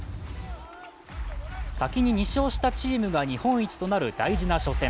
先に２勝したチームが日本一となる大事な初戦。